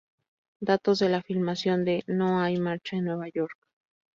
Datos de la filmación de "No hay marcha en Nueva York".